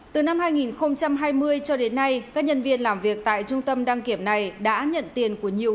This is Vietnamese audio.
từ năm hai nghìn hai mươi cho đến nay các nhân viên làm việc tại trung tâm đăng kiểm này đã nhận tiền của nhiều